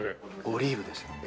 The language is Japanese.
オリーブですよ。